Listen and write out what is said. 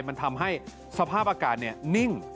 มันทำให้สภาพอากาศนิ่ง